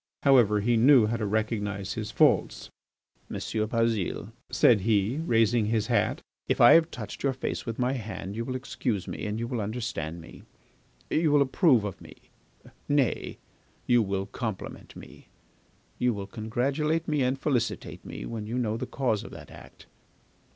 However, he knew how to recognise his faults. "M. Bazile," said he, raising his hat, "if I have touched your face with my hand you will excuse me and you will understand me, you will approve of me, nay, you will compliment me, you will congratulate me and felicitate me, when you know the cause of that act.